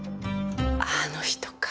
あの人か。